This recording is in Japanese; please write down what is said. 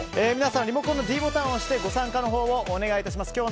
皆さんリモコンのｄボタンを押してご参加のほうをお願いします。